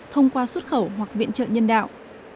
thông qua xuất khẩu hoặc viện trợ nhân đạo